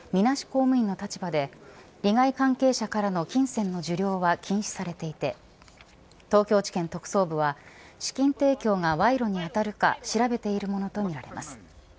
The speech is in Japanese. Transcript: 公務員の立場で利害関係者からの金銭の受領は禁止されていて東京地検特捜部は資金提供が賄賂に当たるか調べているものとみられます。